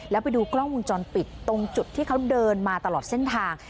แล้วไปดูกล้องวงจรปิดตรงจุดที่เขาเดินมาตลอดเส้นทาง